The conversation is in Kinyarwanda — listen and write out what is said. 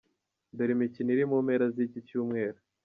Dore imikino iri mu mpera z’iki Cyumweru:.